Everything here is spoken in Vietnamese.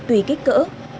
tùy kích cỡ